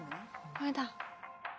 これだ。